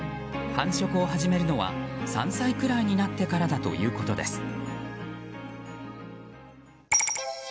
繁殖を始めるのは３歳くらいになってからだということです。